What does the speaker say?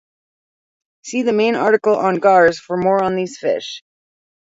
See the main article on gars for more on these fish.